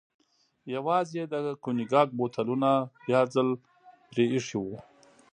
یوازې یې د کونیګاک بوتلونه بیا ځل پرې ایښي و.